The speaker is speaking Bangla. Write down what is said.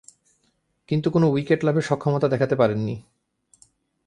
কিন্তু কোন উইকেট লাভে সক্ষমতা দেখাতে পারেননি।